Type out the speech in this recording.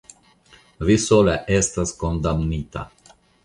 vi sola estas kondamnita!